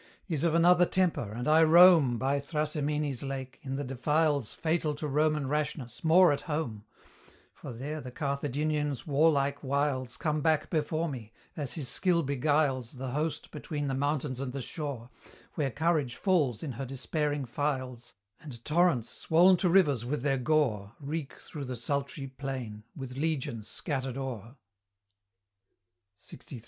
Is of another temper, and I roam By Thrasimene's lake, in the defiles Fatal to Roman rashness, more at home; For there the Carthaginian's warlike wiles Come back before me, as his skill beguiles The host between the mountains and the shore, Where Courage falls in her despairing files, And torrents, swoll'n to rivers with their gore, Reek through the sultry plain, with legions scattered o'er, LXIII.